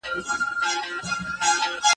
د خلګو د ژوند کچه لوړيږي.